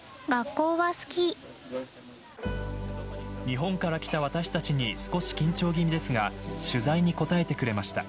日本から来た私たちに少し緊張気味ですが取材に答えてくれました。